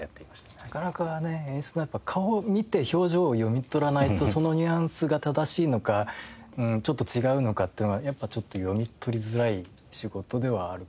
なかなかね演出のやっぱ顔を見て表情を読み取らないとそのニュアンスが正しいのかちょっと違うのかっていうのがやっぱちょっと読み取りづらい仕事ではあるかなとは思いますね。